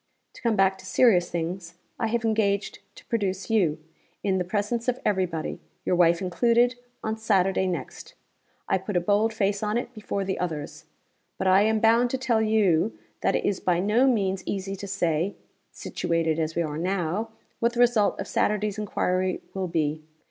To come back to serious things, I have engaged to produce you, in the presence of every body your wife included on Saturday next. I put a bold face on it before the others. But I am bound to tell you that it is by no means easy to say situated as we are now what the result of Saturday's inquiry will be.